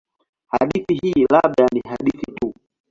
Hadithi hii labda ni hadithi tu.